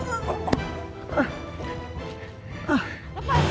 kok gak ada orang ya